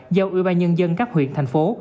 giao ubnd các huyện thành phố